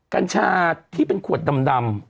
กัญชาที่เป็นขวดดำ